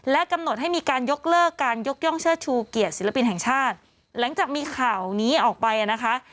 กำหนดให้มีการยกเลิกการยกย่องเชิดชูเกียรติศิลปินแห่งชาติหลังจากมีข่าวนี้ออกไปนะคะ